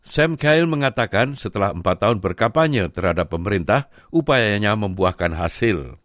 sam kail mengatakan setelah empat tahun berkampanye terhadap pemerintah upayanya membuahkan hasil